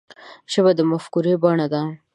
ژبه د مفکورې بڼه ده